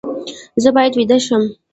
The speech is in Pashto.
زه باید ویده شم